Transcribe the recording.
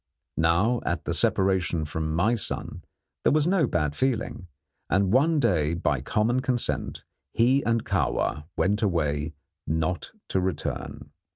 Now, at the separation from my son, there was no bad feeling, and one day by common consent he and Kahwa went away not to return.